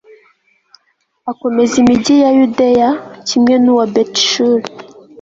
akomeza imigi ya yudeya kimwe n'uwa betishuri